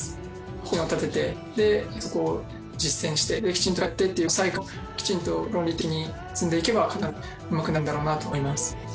方針を立ててそこを実践してきちんと振り返ってっていうこのサイクルをきちんと論理的に積んでいけば必ずうまくなれるんだろうなと思います。